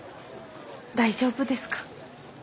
大丈夫ですか？